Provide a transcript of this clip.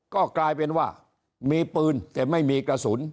ก็กลายเป็นว่ามีปืนแต่ไม่มีกระสุน